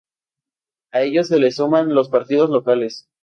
A ellos se les suman los partidos locales.